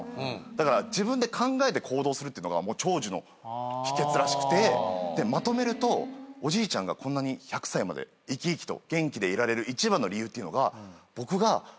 だから自分で考えて行動するっていうのが長寿の秘訣らしくてまとめるとおじいちゃんがこんなに１００歳まで生き生きと元気でいられる一番の理由っていうのが僕が。